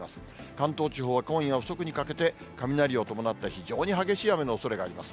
関東地方は今夜遅くにかけて雷を伴った非常に激しい雨のおそれがあります。